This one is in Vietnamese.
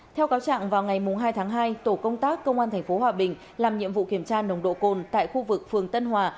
theo cáo trạng vào ngày hai tháng hai tổ công tác công an tp hòa bình làm nhiệm vụ kiểm tra nồng độ cồn tại khu vực phường tân hòa